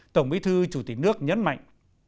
tổng bí thư chủ tịch nước nhấn mạnh